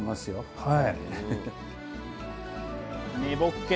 はい。